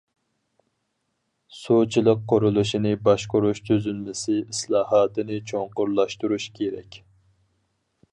سۇچىلىق قۇرۇلۇشىنى باشقۇرۇش تۈزۈلمىسى ئىسلاھاتىنى چوڭقۇرلاشتۇرۇش كېرەك.